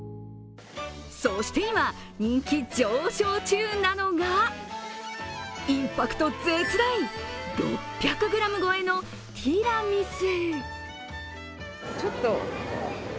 そして今、人気上昇中なのがインパクト絶大、６００ｇ超えのティラミス。